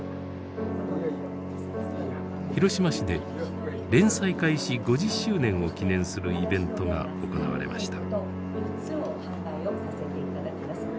広島市で連載開始５０周年を記念するイベントが行われました。